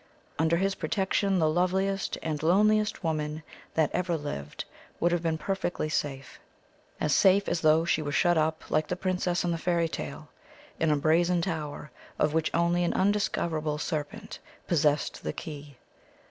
Under his protection the loveliest and loneliest woman that ever lived would have been perfectly safe as safe as though she were shut up, like the princess in the fairy tale, in a brazen tower, of which only an undiscoverable serpent possessed the key.